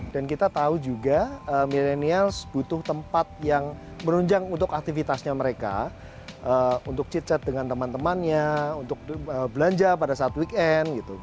dan kita tahu juga milenial butuh tempat yang menunjang untuk aktivitasnya mereka untuk chit chat dengan teman temannya untuk belanja pada saat weekend gitu